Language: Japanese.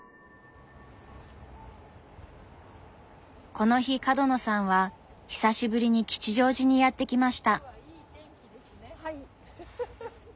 この日角野さんは久しぶりに吉祥寺にやって来ました。